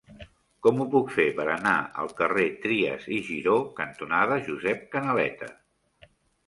Com ho puc fer per anar al carrer Trias i Giró cantonada Josep Canaleta?